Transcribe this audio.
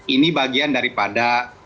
ini bagian daripada